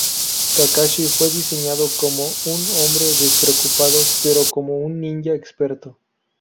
Kakashi fue diseñado como un hombre despreocupado, pero como un ninja experto.